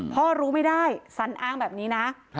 รู้ไม่ได้สันอ้างแบบนี้นะ